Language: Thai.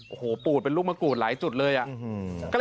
โอ้โหปูดเป็นลูกมะกรูดหลายจุดเลยอะ